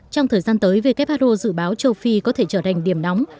trong thời gian tới who dự báo châu phi có thể trở thành điểm nóng